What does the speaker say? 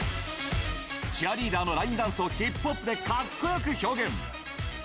チアリーダーのラインダンスをヒップホップでかっこよく表現。